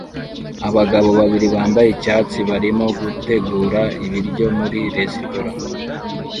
Abagabo babiri bambaye icyatsi barimo gutegura ibiryo muri resitora